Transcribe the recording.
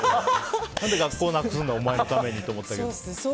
何で学校なくすんだお前のためにって思ったけど。